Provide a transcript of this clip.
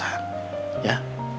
dia berjuang sendiri melahirkan anaknya